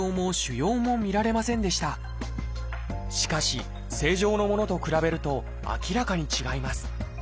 しかし正常のものと比べると明らかに違います。